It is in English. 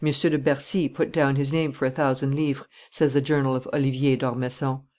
de Bercy put down his name for a thousand livres," says the journal of Oliver d'Ormesson. "M.